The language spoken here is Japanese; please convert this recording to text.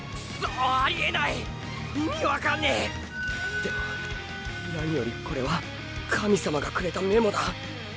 でも何よりこれは神様がくれたメモだ！！